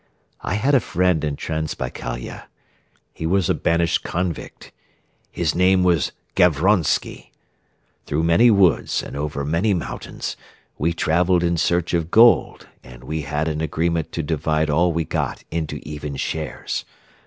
I had a friend in Transbaikalia. He was a banished convict. His name was Gavronsky. Through many woods and over many mountains we traveled in search of gold and we had an agreement to divide all we got into even shares.